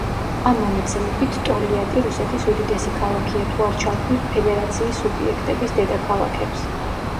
ამ მონაცემებით, ტოლიატი რუსეთის უდიდესი ქალაქია, თუ არ ჩავთვლით ფედერაციის სუბიექტების დედაქალაქებს.